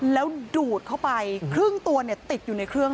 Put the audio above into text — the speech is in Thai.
แล้วดูดเข้าไปเครื่องตัวติดอยู่ในเครื่อง